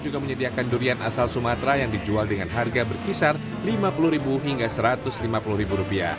juga menyediakan durian asal sumatera yang dijual dengan harga berkisar rp lima puluh hingga rp satu ratus lima puluh